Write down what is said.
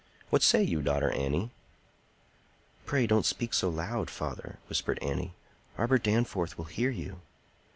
What say you, daughter Annie?" "Pray don't speak so loud, father," whispered Annie, "Robert Danforth will hear you."